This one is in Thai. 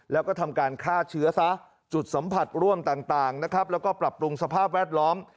แล้วก็ทำการฆ่าเชื้อซะจุดสัมผัสร่วมต่างนะครับแล้วก็ปรับปรุงสภาพแวดล้อม